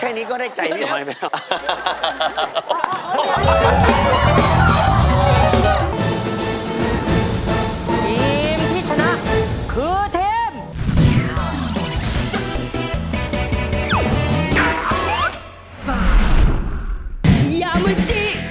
แค่นี้ก็ได้ใจนิดหน่อยแวว